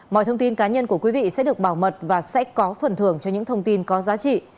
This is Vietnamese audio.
mọi thông tin cá nhân của quý vị sẽ được bảo mật và sẽ có phần thưởng cho những thông tin có giá trị